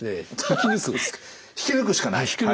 引き抜くしかない。